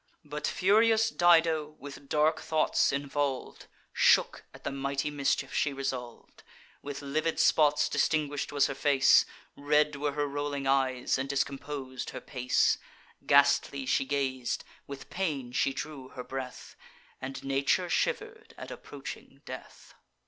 But furious Dido, with dark thoughts involv'd, Shook at the mighty mischief she resolv'd. With livid spots distinguish'd was her face; Red were her rolling eyes, and discompos'd her pace; Ghastly she gaz'd, with pain she drew her breath, And nature shiver'd at approaching death.